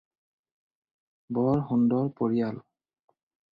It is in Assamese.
বৰ সুন্দৰ পৰিয়াল